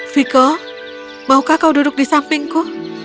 viko maukah kau duduk di sampingku